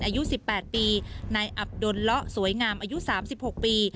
อายุ๑๘ปีนายอับดนเลาะสวยงามอายุ๓๖ปี